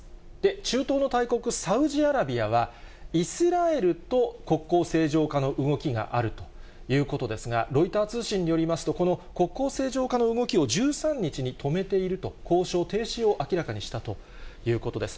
中東の大国、サウジアラビアは、イスラエルと国交正常化の動きがあるということですが、ロイター通信によりますと、この国交正常化の動きを１３日に止めていると、交渉停止を明らかにしたということです。